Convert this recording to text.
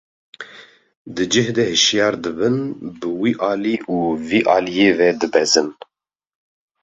Di cih de hişyar dibin, bi wî alî û vî aliyî ve dibezin.